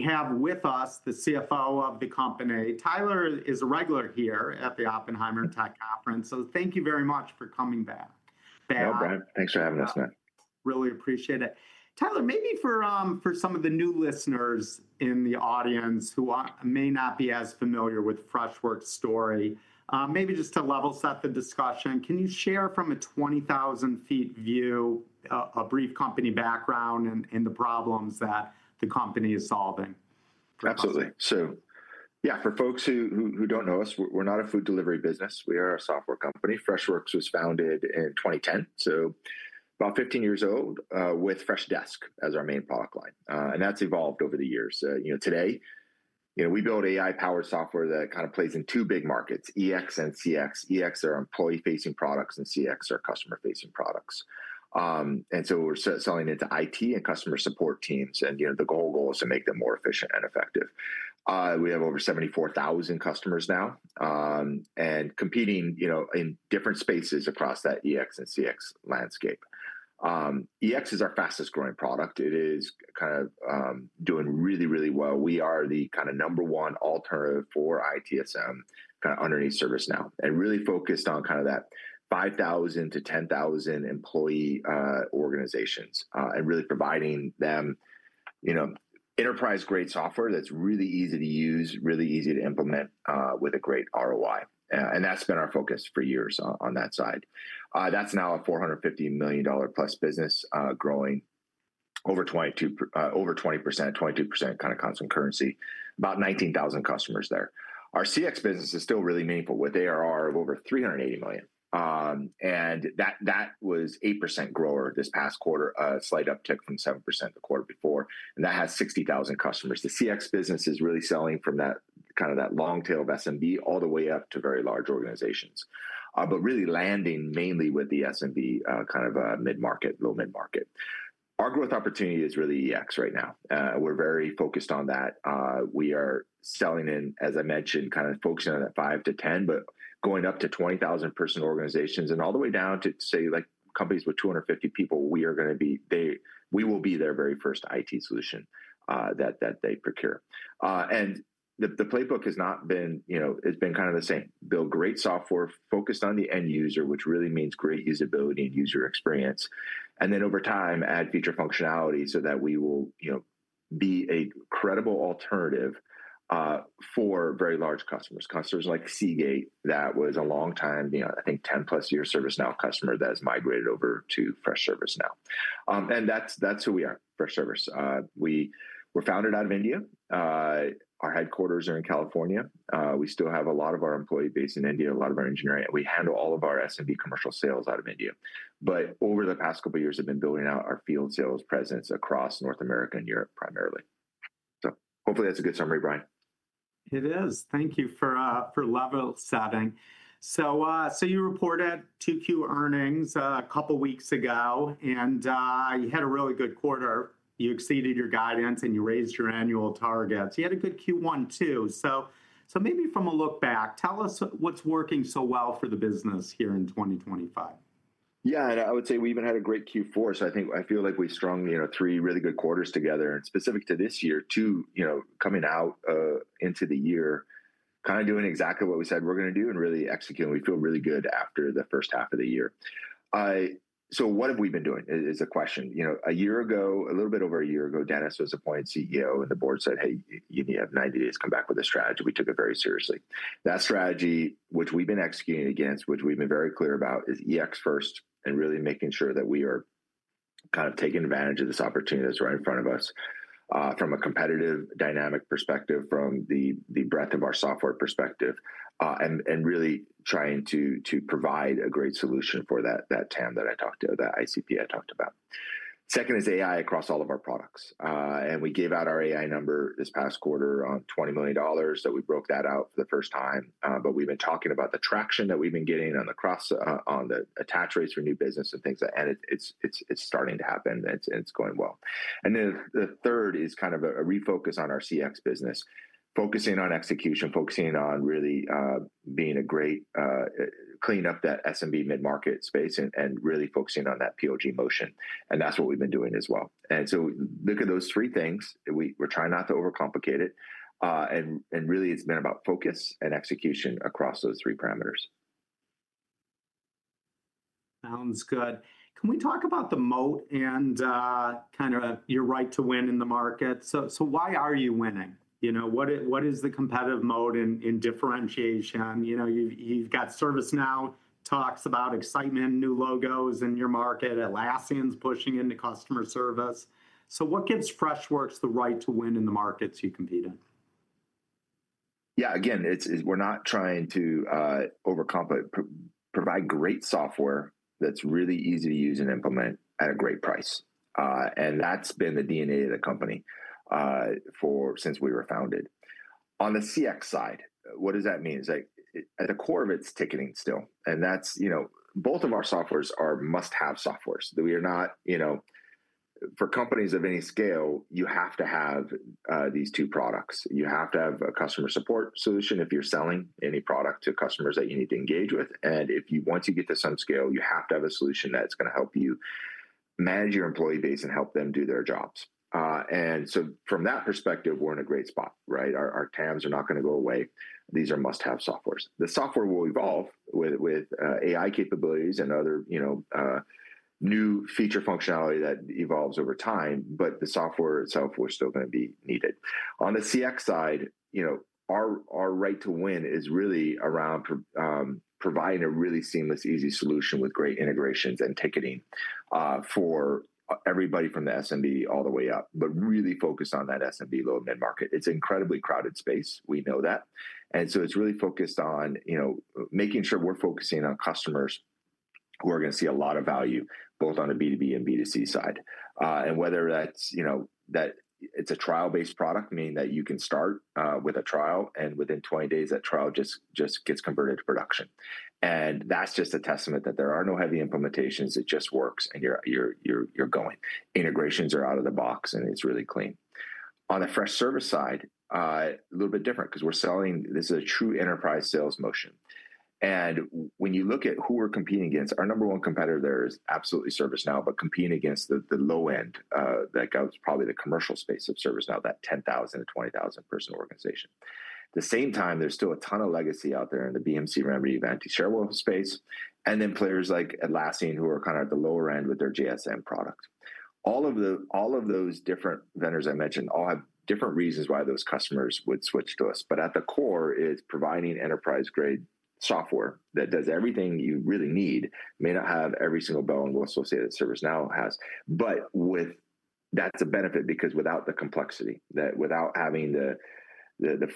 We have with us the CFO of the company. Tyler is a regular here at the Oppenheimer Tech Conference. Thank you very much for coming back. Thanks for having us, Matt. Really appreciate it. Tyler, maybe for some of the new listeners in the audience who may not be as familiar with Freshworks' story, maybe just to level set the discussion, can you share from a 20,000 feet view a brief company background and the problems that the company is solving? Absolutely. For folks who don't know us, we're not a food delivery business. We are a software company. Freshworks was founded in 2010, so about 15 years old, with Freshdesk as our main product line. That's evolved over the years. Today, we build AI-powered software that kind of plays in two big markets: EX and CX. EX are employee-facing products, and CX are customer-facing products. We're selling into IT and customer support teams. The whole goal is to make them more efficient and effective. We have over 74,000 customers now, and competing in different spaces across that EX and CX landscape. EX is our fastest growing product. It is kind of doing really, really well. We are the number one alternative for ITSM underneath ServiceNow and really focused on that 5,000 - 10,000 employee organizations, really providing them enterprise-grade software that's really easy to use, really easy to implement with a great ROI. That's been our focus for years on that side. That's now a $450+ million business growing over 20%, 22% constant currency, about 19,000 customers there. Our CX business is still really meaningful, where they are of over $380 million. That was an 8% grower this past quarter, a slight uptick from 7% the quarter before. That has 60,000 customers. The CX business is really selling from that long tail of SMB all the way up to very large organizations, but really landing mainly with the SMB, kind of mid-market, low mid-market. Our growth opportunity is really EX right now. We're very focused on that. We are selling in, as I mentioned, focusing on that 5,000 - 10,000, but going up to 20,000 person organizations and all the way down to companies with 250 people. We are going to be, we will be their very first IT solution that they procure. The playbook has not been, it's been kind of the same. Build great software focused on the end user, which really means great usability and user experience. Over time, add feature functionality so that we will be a credible alternative for very large customers. Customers like Seagate, that was a long time, I think 10+ year ServiceNow customer that has migrated over to Freshservice. That's who we are, Freshservice. We were founded out of India. Our headquarters are in California. We still have a lot of our employee base in India, a lot of our engineering. We handle all of our SMB commercial sales out of India. Over the past couple of years, I've been building out our field sales presence across North America and Europe primarily. Hopefully that's a good summary, Brian. It is. Thank you for level setting. You reported Q2 earnings a couple of weeks ago, and you had a really good quarter. You exceeded your guidance and you raised your annual targets. You had a good Q1 too. From a look back, tell us what's working so well for the business here in 2025. Yeah, I would say we even had a great Q4. I feel like we strong, you know, three really good quarters together. Specific to this year, too, coming out into the year, kind of doing exactly what we said we're going to do and really executing. We feel really good after the first half of the year. What have we been doing is a question. A year ago, a little bit over a year ago, Dennis was appointed CEO and the board said, "Hey, you need to have 90 days to come back with a strategy." We took it very seriously. That strategy, which we've been executing against, which we've been very clear about, is EX first and really making sure that we are kind of taking advantage of this opportunity that's right in front of us from a competitive dynamic perspective, from the breadth of our software perspective, and really trying to provide a great solution for that TAM that I talked to, that ICP I talked about. Second is AI across all of our products. We gave out our AI number this past quarter on $20 million. We broke that out for the first time. We've been talking about the traction that we've been getting on the attach rates for new business and things like that. It's starting to happen and it's going well. The third is kind of a refocus on our CX business, focusing on execution, focusing on really being a great cleanup, that SMB mid-market space, and really focusing on that POG motion. That's what we've been doing as well. Look at those three things. We're trying not to overcomplicate it. Really, it's been about focus and execution across those three parameters. Sounds good. Can we talk about the moat and kind of your right to win in the market? Why are you winning? What is the competitive moat in differentiation? You've got ServiceNow talks about excitement, new logos in your market. Atlassian's pushing into customer service. What gives Freshworks the right to win in the markets you compete in? Yeah, again, we're not trying to overcomplicate, provide great software that's really easy to use and implement at a great price. That's been the DNA of the company since we were founded. On the CX side, what does that mean? It's like at the core of it, it's ticketing still. Both of our softwares are must-have softwares. We are not, you know, for companies of any scale, you have to have these two products. You have to have a customer support solution if you're selling any product to customers that you need to engage with. If you want to get this on scale, you have to have a solution that's going to help you manage your employee base and help them do their jobs. From that perspective, we're in a great spot, right? Our TAMs are not going to go away. These are must-have softwares. The software will evolve with AI capabilities and other new feature functionality that evolves over time. The software itself, we're still going to be needed. On the CX side, our right to win is really around providing a really seamless, easy solution with great integrations and ticketing for everybody from the SMB all the way up, but really focused on that SMB low mid-market. It's an incredibly crowded space. We know that. It's really focused on making sure we're focusing on customers who are going to see a lot of value both on the B2B and B2C side. Whether that's a trial-based product, meaning that you can start with a trial and within 20 days, that trial just gets converted to production. That's just a testament that there are no heavy implementations. It just works and you're going. Integrations are out of the box and it's really clean. On the Freshservice side, a little bit different because we're selling, this is a true enterprise sales motion. When you look at who we're competing against, our number one competitor there is absolutely ServiceNow, but competing against the low end that goes probably the commercial space of ServiceNow, that 10,000 - 20,000 person organization. At the same time, there's still a ton of legacy out there in the BMC Remedy vanity shareholder space. Then players like Atlassian, who are kind of at the lower end with their JSM product. All of those different vendors I mentioned all have different reasons why those customers would switch to us. At the core, it's providing enterprise-grade software that does everything you really need. It may not have every single bell and whistle that ServiceNow has. That's a benefit because without the complexity, without having the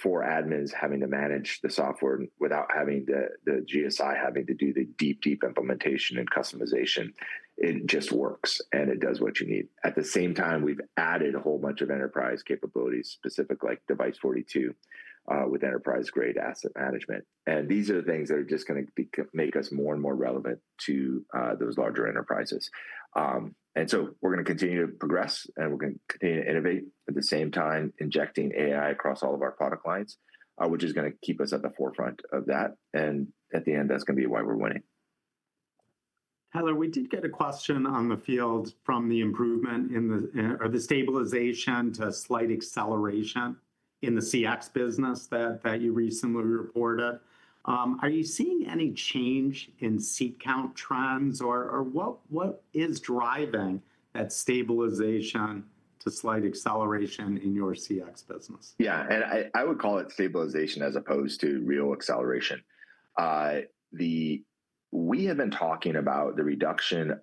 four admins having to manage the software, without having the GSI having to do the deep, deep implementation and customization, it just works and it does what you need. At the same time, we've added a whole bunch of enterprise capabilities, specifically like Device42 with enterprise-grade asset management. These are the things that are just going to make us more and more relevant to those larger enterprises. We're going to continue to progress and we're going to innovate at the same time, injecting AI across all of our product lines, which is going to keep us at the forefront of that. At the end, that's going to be why we're winning. Tyler, we did get a question on the field from the improvement in the stabilization to slight acceleration in the CX business that you recently reported. Are you seeing any change in seat count trends, or what is driving that stabilization to slight acceleration in your CX business? Yeah, and I would call it stabilization as opposed to real acceleration. We have been talking about the reduction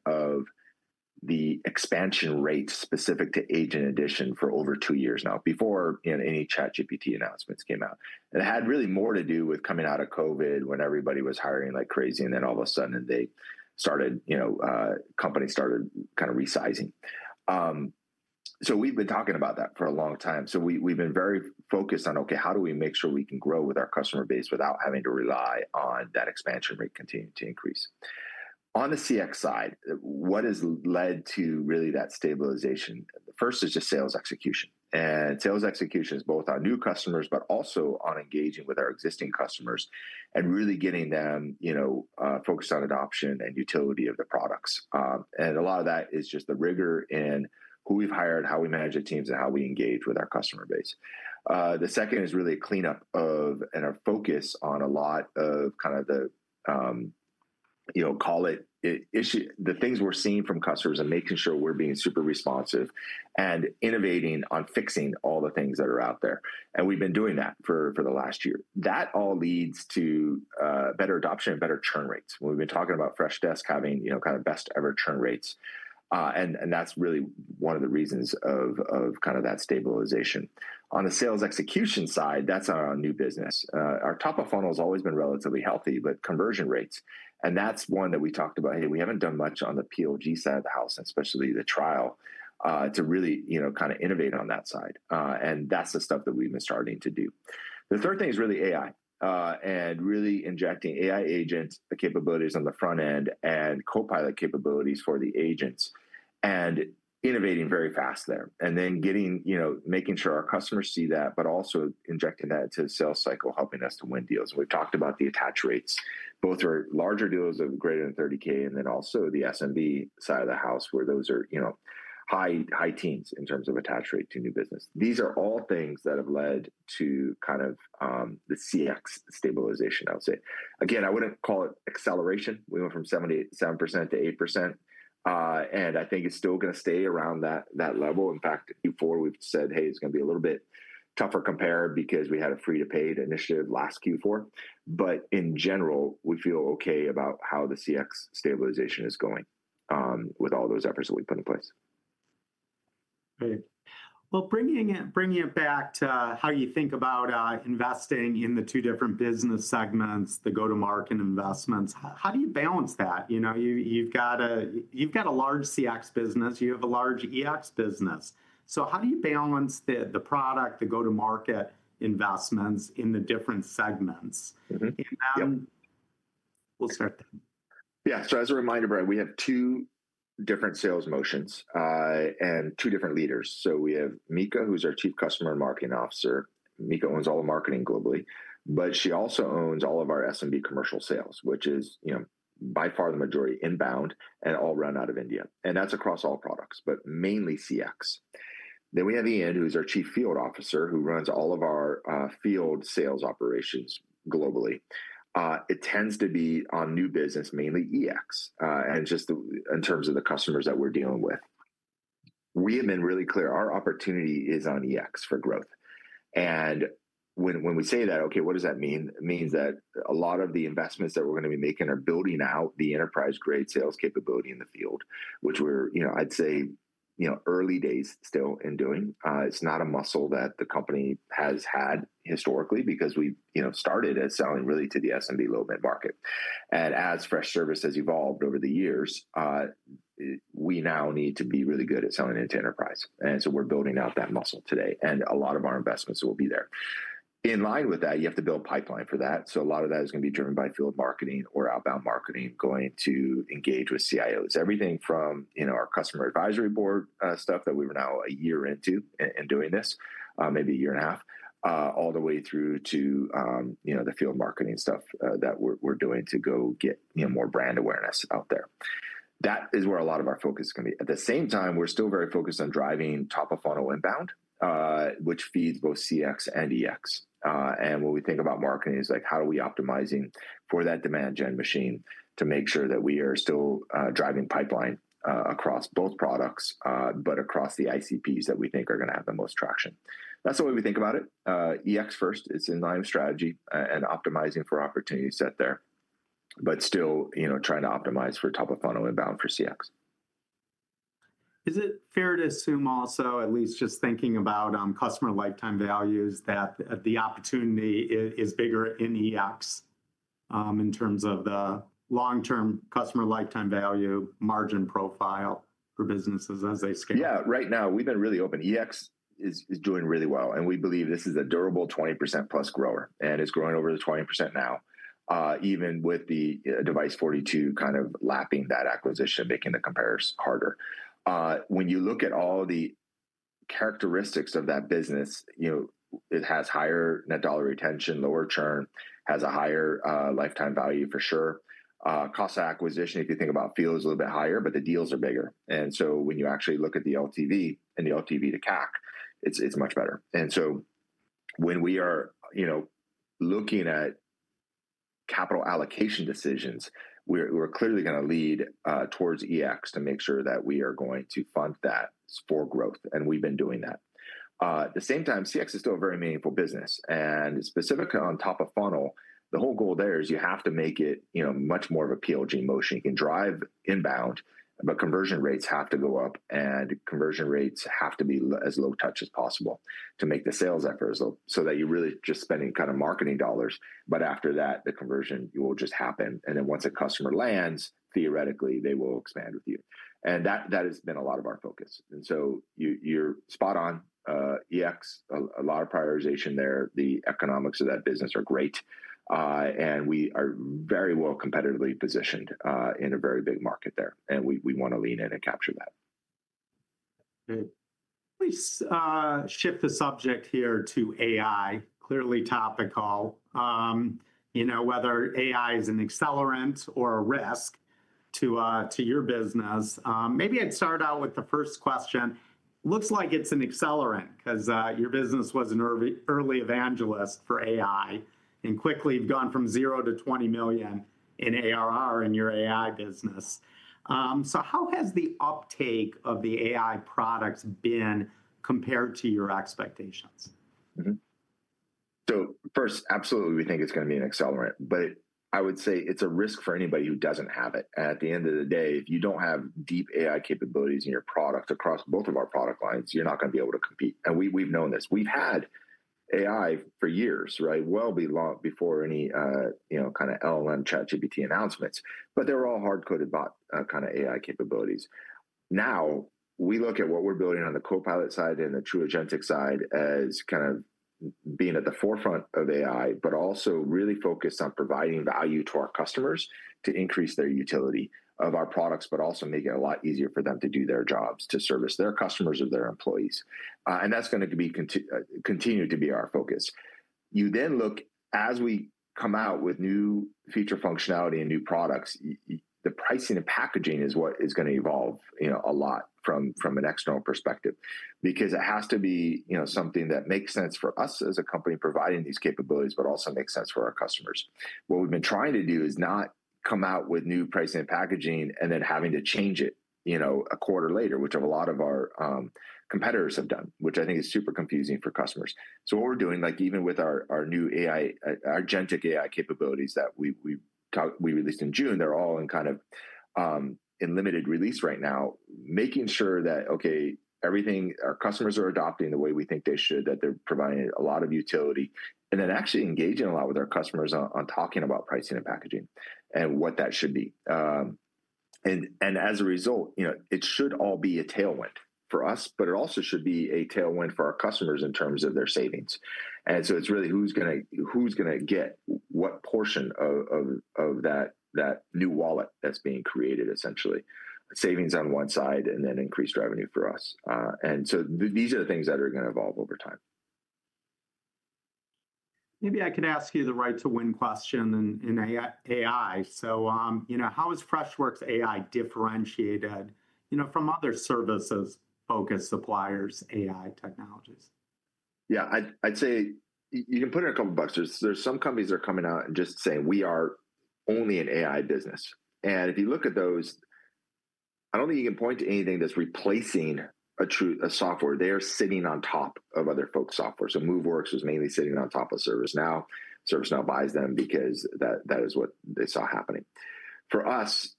of the expansion rate specific to agent addition for over two years now, before any ChatGPT announcements came out. It had really more to do with coming out of COVID when everybody was hiring like crazy and then all of a sudden, companies started kind of resizing. We have been talking about that for a long time. We have been very focused on, okay, how do we make sure we can grow with our customer base without having to rely on that expansion rate continuing to increase? On the CX side, what has led to really that stabilization? First is just sales execution. Sales execution is both on new customers, but also on engaging with our existing customers and really getting them focused on adoption and utility of the products. A lot of that is just the rigor in who we've hired, how we manage the teams, and how we engage with our customer base. The second is really a cleanup of and a focus on a lot of the things we're seeing from customers and making sure we're being super responsive and innovating on fixing all the things that are out there. We have been doing that for the last year. That all leads to better adoption and better churn rates. We have been talking about Freshdesk having kind of best ever churn rates, and that's really one of the reasons of that stabilization. On the sales execution side, that's our new business. Our top of funnel has always been relatively healthy, but conversion rates, and that's one that we talked about. We haven't done much on the POG side of the house, especially the trial, to really innovate on that side, and that's the stuff that we've been starting to do. The third thing is really AI and really injecting AI agent capabilities on the front end and copilot capabilities for the agents and innovating very fast there, and then making sure our customers see that, but also injecting that into the sales cycle, helping us to win deals. We have talked about the attach rates. Both are larger deals of greater than $30,000 and then also the SMB side of the house where those are high, high teens in terms of attach rate to new business. These are all things that have led to the CX stabilization, I would say. Again, I wouldn't call it acceleration. We went from 7% - 8%. I think it's still going to stay around that level. In fact, Q4 we've said, hey, it's going to be a little bit tougher compared because we had a free-to-paid initiative last Q4. In general, we feel okay about how the CX stabilization is going with all those efforts that we've put in place. Great. Bringing it back to how you think about investing in the two different business segments, the go-to-market investments, how do you balance that? You've got a large CX business, you have a large EX business. How do you balance the product, the go-to-market investments in the different segments? Yeah. We'll start there. Yeah, so as a reminder, Brian, we have two different sales motions and two different leaders. We have Mika, who's our Chief Customer and Marketing Officer. Mika owns all the marketing globally, but she also owns all of our SMB commercial sales, which is by far the majority inbound and all run out of India. That's across all products, but mainly CX. Then we have Ian, who's our Chief Field Officer, who runs all of our field sales operations globally. It tends to be on new business, mainly EX, and just in terms of the customers that we're dealing with. We have been really clear our opportunity is on EX for growth. When we say that, okay, what does that mean? It means that a lot of the investments that we're going to be making are building out the enterprise-grade sales capability in the field, which we're, I'd say, early days still in doing. It's not a muscle that the company has had historically because we started as selling really to the SMB low mid-market. As Freshservice has evolved over the years, we now need to be really good at selling it to enterprise. We're building out that muscle today, and a lot of our investments will be there. In line with that, you have to build a pipeline for that. A lot of that is going to be driven by field marketing or outbound marketing, going to engage with CIOs. Everything from our customer advisory board stuff that we are now a year into and doing this, maybe a year and a half, all the way through to the field marketing stuff that we're doing to go get more brand awareness out there. That is where a lot of our focus is going to be. At the same time, we're still very focused on driving top of funnel inbound, which feeds both CX and EX. When we think about marketing, it's like, how are we optimizing for that demand gen machine to make sure that we are still driving pipeline across both products, but across the ICPs that we think are going to have the most traction? That's the way we think about it. EX first, it's in line of strategy and optimizing for opportunities set there, but still trying to optimize for top of funnel inbound for CX. Is it fair to assume also, at least just thinking about customer lifetime values, that the opportunity is bigger in EX in terms of the long-term customer lifetime value margin profile for businesses as they scale? Yeah, right now we've been really open. EX is doing really well, and we believe this is a durable 20%+ grower. It's growing over 20% now, even with the Device42 kind of lapping that acquisition, making the comparison harder. When you look at all the characteristics of that business, it has higher net dollar retention, lower churn, has a higher lifetime value for sure. Cost of acquisition, if you think about fields, is a little bit higher, but the deals are bigger. When you actually look at the LTV and the LTV to CAC, it's much better. When we are looking at capital allocation decisions, we're clearly going to lead towards EX to make sure that we are going to fund that for growth, and we've been doing that. At the same time, CX is still a very meaningful business. Specifically on top of funnel, the whole goal there is you have to make it much more of a POG motion. You can drive inbound, but conversion rates have to go up, and conversion rates have to be as low touch as possible to make the sales effort as low so that you're really just spending kind of marketing dollars. After that, the conversion will just happen, and then once a customer lands, theoretically, they will expand with you. That has been a lot of our focus. You're spot on. EX, a lot of prioritization there. The economics of that business are great, and we are very well competitively positioned in a very big market there. We want to lean in and capture that. Great. Let's shift the subject here to AI. Clearly, topic call. You know, whether AI is an accelerant or a risk to your business. Maybe I'd start out with the first question. Looks like it's an accelerant because your business was an early evangelist for AI and quickly gone from 0 - $20 million in ARR in your AI business. How has the uptake of the AI products been compared to your expectations? First, absolutely, we think it's going to be an accelerant. I would say it's a risk for anybody who doesn't have it. At the end of the day, if you don't have deep AI capabilities in your product across both of our product lines, you're not going to be able to compete. We've known this. We've had AI for years, right? Well before any, you know, kind of LLM ChatGPT announcements. They were all hard-coded bot kind of AI capabilities. Now we look at what we're building on the copilot side and the true agentic side as kind of being at the forefront of AI, but also really focused on providing value to our customers to increase their utility of our products, but also make it a lot easier for them to do their jobs, to service their customers or their employees. That's going to continue to be our focus. You then look, as we come out with new feature functionality and new products, the pricing and packaging is what is going to evolve a lot from an external perspective because it has to be something that makes sense for us as a company providing these capabilities, but also makes sense for our customers. What we've been trying to do is not come out with new pricing and packaging and then having to change it, you know, a quarter later, which a lot of our competitors have done, which I think is super confusing for customers. What we're doing, like even with our new AI, our agentic AI capabilities that we released in June, they're all in kind of in limited release right now, making sure that, okay, everything our customers are adopting the way we think they should, that they're providing a lot of utility, and then actually engaging a lot with our customers on talking about pricing and packaging and what that should be. As a result, it should all be a tailwind for us, but it also should be a tailwind for our customers in terms of their savings. It's really who's going to get what portion of that new wallet that's being created, essentially. Savings on one side and then increased revenue for us. These are the things that are going to evolve over time. Maybe I could ask you the right to win question in AI. How is Freshworks AI differentiated from other services-focused suppliers' AI technologies? Yeah, I'd say you can put it in a couple of buckets. There are some companies that are coming out and just saying we are only an AI business. If you look at those, I don't think you can point to anything that's replacing a software. They are sitting on top of other folks' software. MoveWorks is mainly sitting on top of ServiceNow. ServiceNow buys them because that is what they saw happening. For us,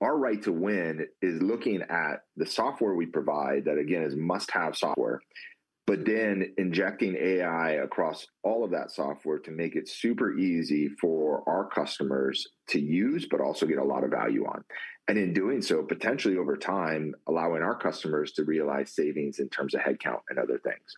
our right to win is looking at the software we provide that, again, is must-have software, but then injecting AI across all of that software to make it super easy for our customers to use, but also get a lot of value on. In doing so, potentially over time, allowing our customers to realize savings in terms of headcount and other things.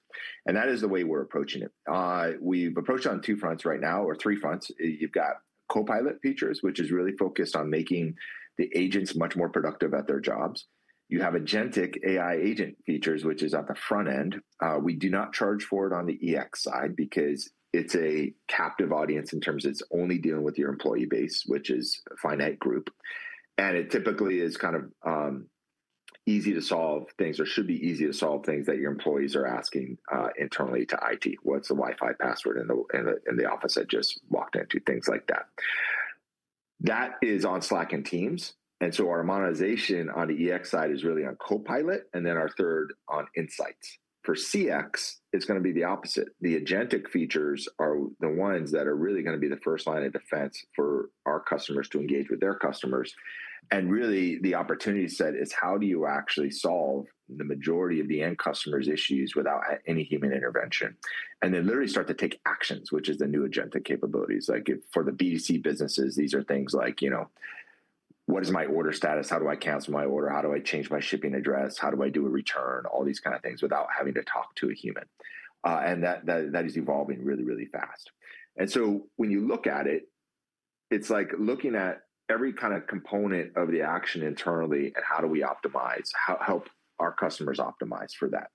That is the way we're approaching it. We've approached it on two fronts right now, or three fronts. You've got copilot features, which is really focused on making the agents much more productive at their jobs. You have agentic AI agent features, which is at the front end. We do not charge for it on the EX side because it's a captive audience in terms of it's only dealing with your employee base, which is a finite group. It typically is kind of easy to solve things, or should be easy to solve things that your employees are asking internally to IT. What's the Wi-Fi password in the office I just walked into? Things like that. That is on Slack and Teams. Our monetization on the EX side is really on copilot, and then our third on insights. For CX, it's going to be the opposite. The agentic features are the ones that are really going to be the first line of defense for our customers to engage with their customers. Really, the opportunity set is how do you actually solve the majority of the end customer's issues without any human intervention? Literally start to take actions, which is the new agentic capabilities. For the B2C businesses, these are things like, you know, what is my order status? How do I cancel my order? How do I change my shipping address? How do I do a return? All these kind of things without having to talk to a human. That is evolving really, really fast. When you look at it, it's like looking at every kind of component of the action internally and how do we optimize, help our customers optimize for that.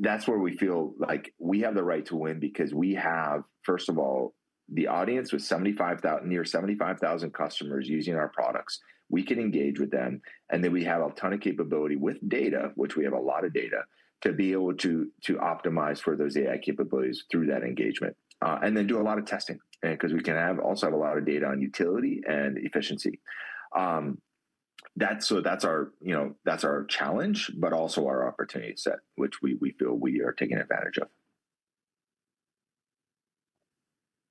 That's where we feel like we have the right to win because we have, first of all, the audience with 75,000, near 75,000 customers using our products. We can engage with them, and we have a ton of capability with data. We have a lot of data to be able to optimize for those AI capabilities through that engagement. We can also do a lot of testing because we have a lot of data on utility and efficiency. That's our challenge, but also our opportunity set, which we feel we are taking advantage of.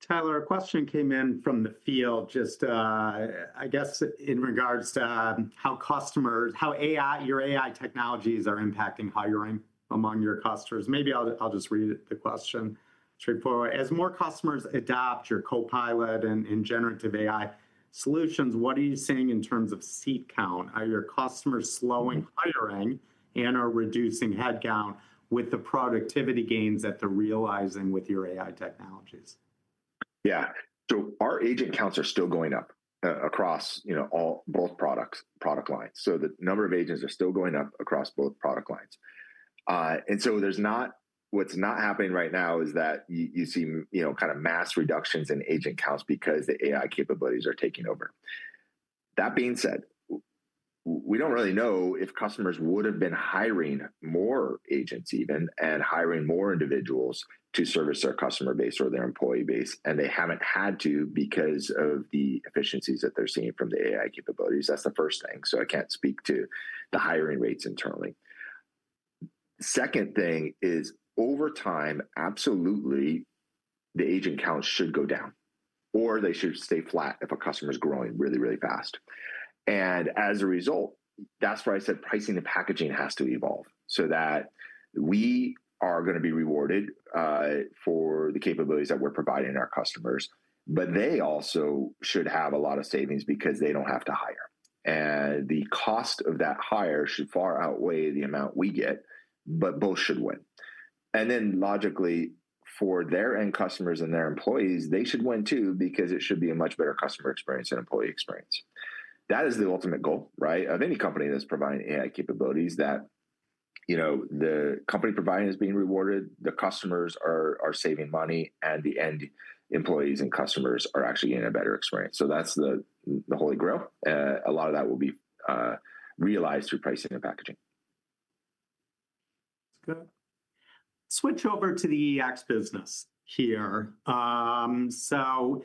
Tyler, a question came in from the field, just in regards to how customers, how your AI technologies are impacting hiring among your customers. Maybe I'll just read the question straightforward. As more customers adopt your copilot and generative AI solutions, what are you seeing in terms of seat count? Are your customers slowing hiring and/or reducing headcount with the productivity gains that they're realizing with your AI technologies? Yeah, so our agent counts are still going up across both product lines. The number of agents is still going up across both product lines. What's not happening right now is that you see kind of mass reductions in agent counts because the AI capabilities are taking over. That being said, we don't really know if customers would have been hiring more agents and hiring more individuals to service their customer base or their employee base. They haven't had to because of the efficiencies that they're seeing from the AI capabilities. That's the first thing. I can't speak to the hiring rates internally. Second thing is over time, absolutely, the agent counts should go down or they should stay flat if a customer is growing really, really fast. As a result, that's where I said pricing and packaging has to evolve so that we are going to be rewarded for the capabilities that we're providing our customers. They also should have a lot of savings because they don't have to hire. The cost of that hire should far outweigh the amount we get, but both should win. Logically, for their end customers and their employees, they should win too because it should be a much better customer experience and employee experience. That is the ultimate goal, right, of any company that's providing AI capabilities, that the company provider is being rewarded, the customers are saving money, and the end employees and customers are actually getting a better experience. That's the holy grail. A lot of that will be realized through pricing and packaging. Let's switch over to the EX business here. The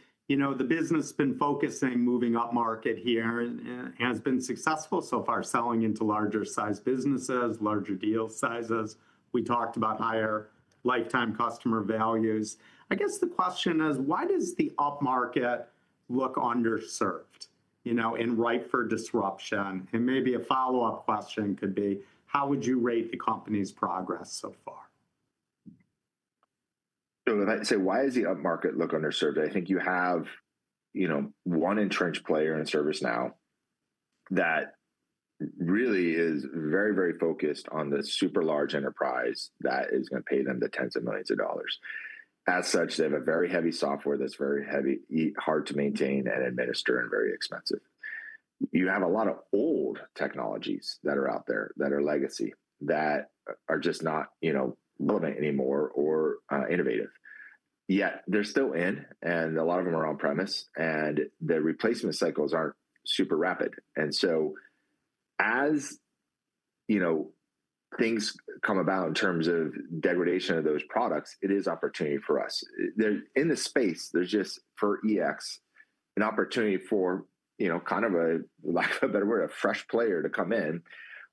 business has been focusing on moving up market here and has been successful so far, selling into larger size businesses, larger deal sizes. We talked about higher lifetime customer values. I guess the question is, why does the up market look underserved, you know, and ripe for disruption? Maybe a follow-up question could be, how would you rate the company's progress so far? I'd say why does the up market look underserved? I think you have one entrenched player in ServiceNow that really is very, very focused on the super large enterprise that is going to pay them the tens of millions of dollars. As such, they have a very heavy software that's very heavy, hard to maintain and administer, and very expensive. You have a lot of old technologies that are out there that are legacy, that are just not loading anymore or innovative. Yet they're still in, and a lot of them are on premise, and the replacement cycles aren't super rapid. As things come about in terms of degradation of those products, it is an opportunity for us. In the space, there's just for EX an opportunity for, kind of a lack of a better word, a fresh player to come in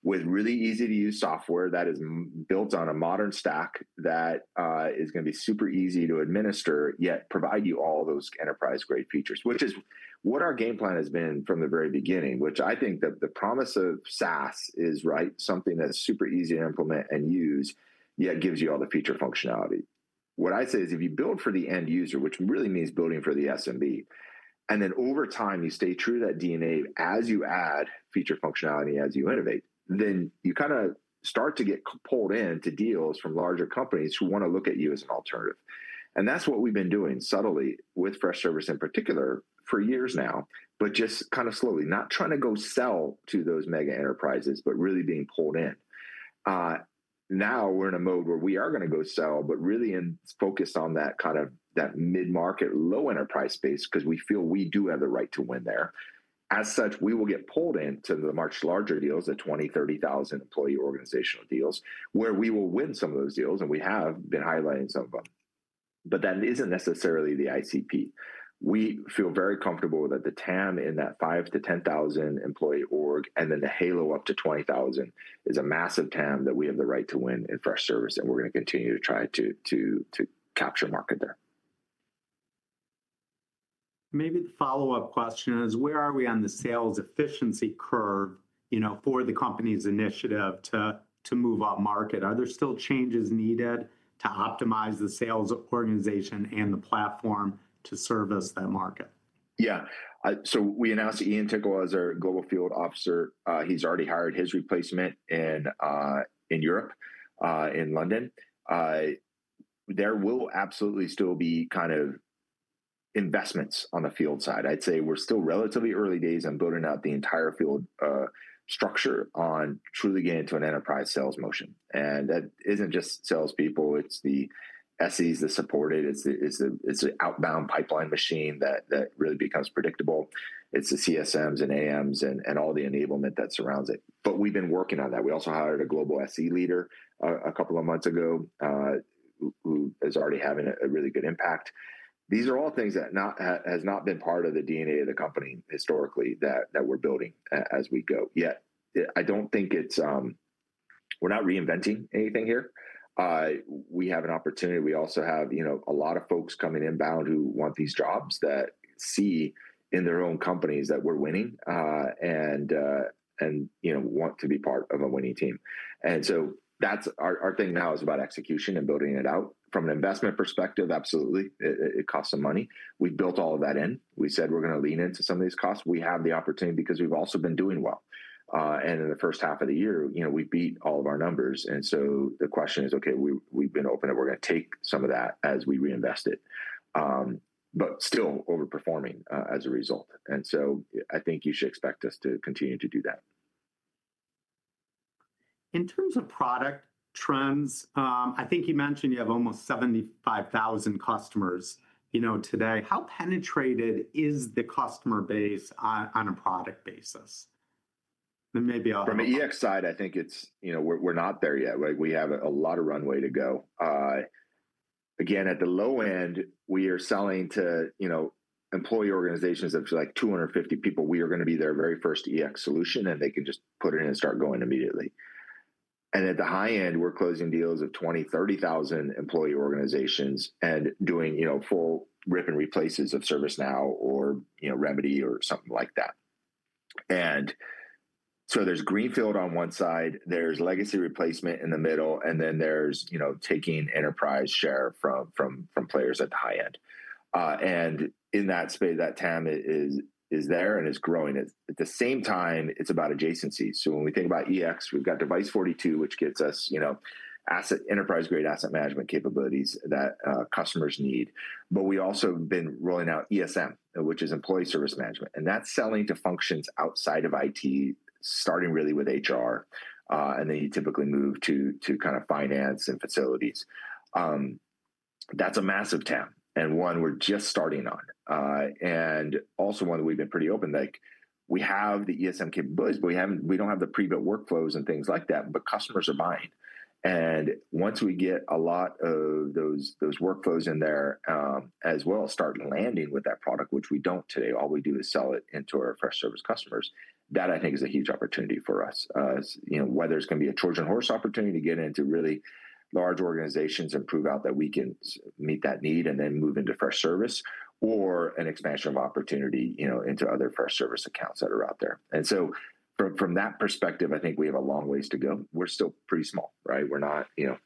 with really easy-to-use software that is built on a modern stack that is going to be super easy to administer, yet provide you all those enterprise-grade features, which is what our game plan has been from the very beginning, which I think that the promise of SaaS is, right, something that's super easy to implement and use, yet gives you all the feature functionality. What I say is if you build for the end user, which really means building for the SMB, and then over time you stay true to that DNA as you add feature functionality and as you innovate, then you kind of start to get pulled into deals from larger companies who want to look at you as an alternative. That's what we've been doing subtly with Freshservice in particular for years now, but just kind of slowly, not trying to go sell to those mega enterprises, but really being pulled in. Now we're in a mode where we are going to go sell, but really focused on that kind of mid-market low enterprise space because we feel we do have the right to win there. As such, we will get pulled into the much larger deals, the 20,000, 30,000 employee organizational deals, where we will win some of those deals, and we have been highlighting some of them. That isn't necessarily the ICP. We feel very comfortable that the TAM in that 5,000 to 10,000 employee org, and then the halo up to 20,000 is a massive TAM that we have the right to win in Freshservice, and we're going to continue to try to capture market there. Maybe the follow-up question is, where are we on the sales efficiency curve, you know, for the company's initiative to move up market? Are there still changes needed to optimize the sales organization and the platform to service that market? Yeah, so we announced that Ian Tickle is our Global Field Officer. He's already hired his replacement in Europe, in London. There will absolutely still be kind of investments on the field side. I'd say we're still relatively early days on building out the entire field structure on truly getting into an enterprise sales motion. That isn't just salespeople, it's the SEs that support it. It's the outbound pipeline machine that really becomes predictable. It's the CSMs and AMs and all the enablement that surrounds it. We've been working on that. We also hired a Global SE Leader a couple of months ago, who is already having a really good impact. These are all things that have not been part of the DNA of the company historically that we're building as we go. I don't think it's, we're not reinventing anything here. We have an opportunity. We also have a lot of folks coming inbound who want these jobs that see in their own companies that we're winning and want to be part of a winning team. That's our thing now, it's about execution and building it out. From an investment perspective, absolutely, it costs some money. We built all of that in. We said we're going to lean into some of these costs. We have the opportunity because we've also been doing well. In the first half of the year, we beat all of our numbers. The question is, okay, we've been open and we're going to take some of that as we reinvest it. Still overperforming as a result. I think you should expect us to continue to do that. In terms of product trends, I think you mentioned you have almost 75,000 customers today. How penetrated is the customer base on a product basis? From the EX side, I think it's, you know, we're not there yet. We have a lot of runway to go. Again, at the low end, we are selling to, you know, employee organizations of like 250 people. We are going to be their very first EX solution, and they can just put it in and start going immediately. At the high end, we're closing deals of 20,000, 30,000 employee organizations and doing, you know, full rip and replaces of ServiceNow or, you know, BMC Remedy or something like that. There's greenfield on one side, there's legacy replacement in the middle, and then there's, you know, taking enterprise share from players at the high end. In that space, that TAM is there and it's growing. At the same time, it's about adjacency. When we think about EX, we've got Device42, which gets us, you know, enterprise-grade asset management capabilities that customers need. We also have been rolling out ESM, which is employee service management. That's selling to functions outside of IT, starting really with HR. Then you typically move to kind of finance and facilities. That's a massive TAM and one we're just starting on. Also, one that we've been pretty open about. We have the ESM capabilities, but we don't have the pre-built workflows and things like that. Customers are buying. Once we get a lot of those workflows in there as well, starting landing with that product, which we don't today. All we do is sell it into our Freshservice customers. That I think is a huge opportunity for us, whether it's going to be a Trojan horse opportunity to get into really large organizations and prove out that we can meet that need and then move into Freshservice or an expansion of opportunity into other Freshservice accounts that are out there. From that perspective, I think we have a long ways to go. We're still pretty small, right? We're not, you know,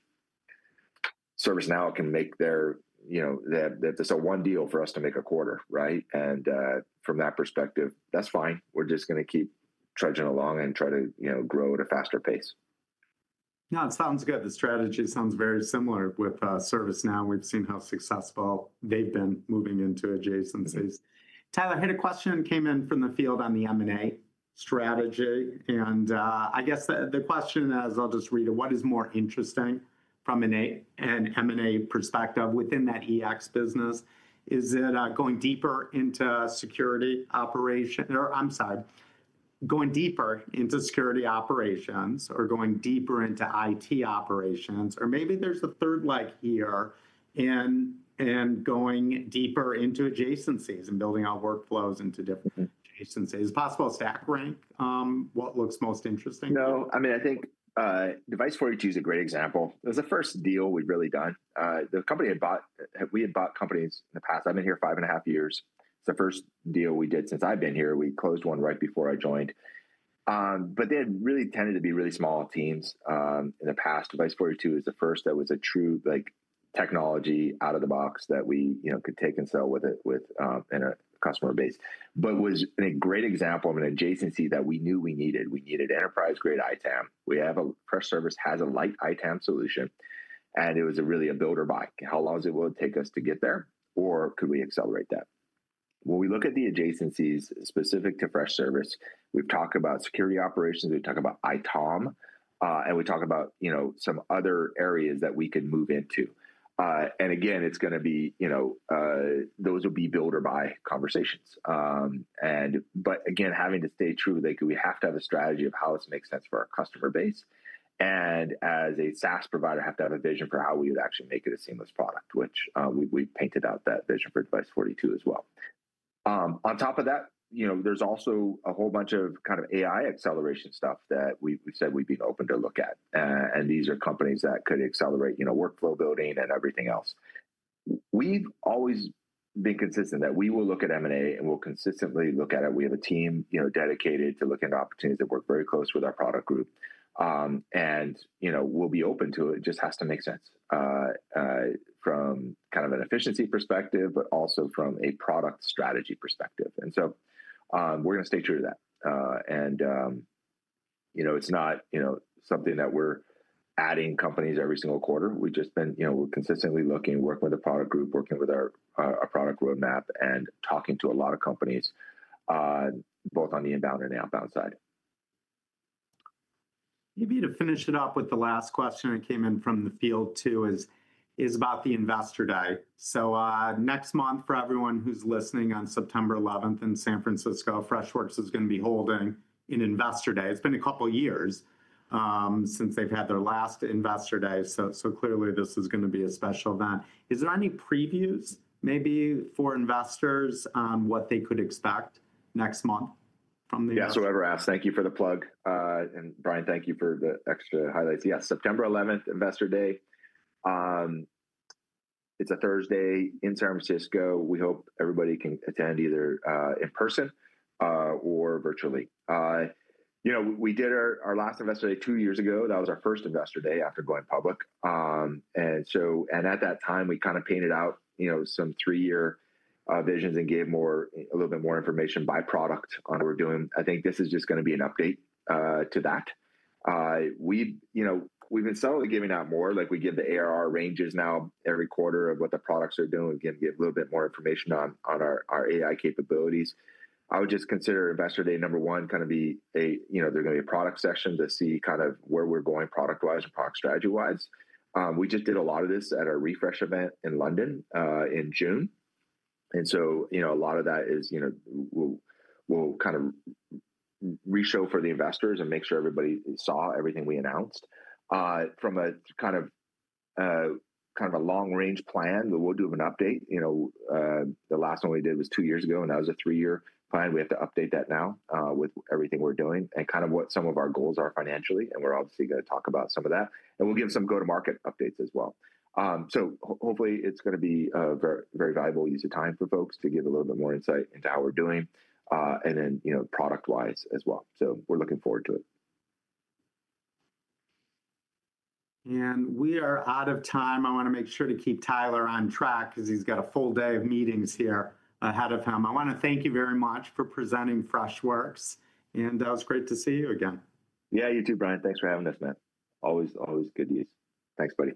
ServiceNow can make their, you know, that's one deal for us to make a quarter, right? From that perspective, that's fine. We're just going to keep trudging along and try to, you know, grow at a faster pace. No, it sounds good. The strategy sounds very similar with ServiceNow. We've seen how successful they've been moving into adjacencies. Tyler, I had a question that came in from the field on the M&A strategy. I guess the question, as I'll just read it, what is more interesting from an M&A perspective within that EX business? Is it going deeper into security operations, or going deeper into IT operations? Or maybe there's a third leg here in going deeper into adjacencies and building out workflows into different adjacencies. Possible stack rank, what looks most interesting? No, I mean, I think Device42 is a great example. It was the first deal we've really done. The company had bought, we had bought companies in the past. I've been here five and a half years. It's the first deal we did since I've been here. We closed one right before I joined. They had really tended to be really small teams in the past. Device42 was the first that was a true technology out of the box that we could take and sell with a customer base. It was a great example of an adjacency that we knew we needed. We needed enterprise-grade ITAM. We have Freshservice that has a light ITAM solution. It was really a build or buy. How long does it take us to get there? Could we accelerate that? When we look at the adjacencies specific to Freshservice, we've talked about security operations. We've talked about ITOM. We talked about some other areas that we could move into. It's going to be, those will be build or buy conversations. We have to stay true, we have to have a strategy of how this makes sense for our customer base. As a SaaS provider, I have to have a vision for how we would actually make it a seamless product, which we painted out that vision for Device42 as well. On top of that, there's also a whole bunch of AI acceleration stuff that we've said we've been open to look at. These are companies that could accelerate workflow building and everything else. We've always been consistent that we will look at M&A and we'll consistently look at it. We have a team dedicated to looking into opportunities that work very close with our product group. We'll be open to it. It just has to make sense from an efficiency perspective, but also from a product strategy perspective. We're going to stay true to that. It's not something that we're adding companies every single quarter. We've just been consistently looking, working with the product group, working with our product roadmap, and talking to a lot of companies, both on the inbound and the outbound side. Maybe to finish it up with the last question that came in from the field too, it is about the Investor Day. Next month, for everyone who's listening, on September 11th in San Francisco, Freshworks is going to be holding an Investor Day. It's been a couple of years since they've had their last Investor Day. Clearly, this is going to be a special event. Is there any previews maybe for investors, what they could expect next month from the event? Yeah, so everyone, thank you for the plug. And Brian, thank you for the extra highlights. Yes, September 11th, Investor Day. It's a Thursday in San Francisco. We hope everybody can attend either in person or virtually. We did our last Investor Day two years ago. That was our first Investor Day after going public. At that time, we kind of painted out some three-year visions and gave a little bit more information by product on what we're doing. I think this is just going to be an update to that. We've been subtly giving out more. Like we give the ARR ranges now every quarter of what the products are doing. We can give a little bit more information on our AI capabilities. I would just consider Investor Day number one kind of be a, you know, there's going to be a product session to see kind of where we're going product-wise and product strategy-wise. We just did a lot of this at our refresh event in London in June. A lot of that is, you know, we'll kind of reshow for the investors and make sure everybody saw everything we announced. From a kind of a long-range plan, we'll do an update. The last one we did was two years ago, and that was a three-year plan. We have to update that now with everything we're doing and kind of what some of our goals are financially. We're obviously going to talk about some of that. We'll give some go-to-market updates as well. Hopefully, it's going to be a very valuable use of time for folks to give a little bit more insight into how we're doing and then, you know, product-wise as well. We're looking forward to it. We are out of time. I want to make sure to keep Tyler on track because he's got a full day of meetings here ahead of him. I want to thank you very much for presenting Freshworks. It was great to see you again. Yeah, you too, Brian. Thanks for having us, man. Always good to see you. Thanks, buddy.